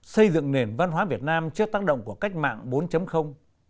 bốn xây dựng nền văn hóa việt nam chất tác động của cách mạng bốn